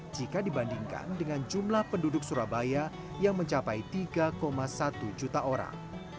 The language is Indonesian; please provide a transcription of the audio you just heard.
jika dibandingkan dengan jumlah penduduk surabaya yang mencapai tiga satu juta orang